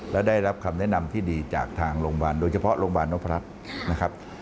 และได้รับคำแนะนำที่ดีจากทางโรงพยาบาลโดยเฉพาะโรงพยาบาลนพรัชนะครับ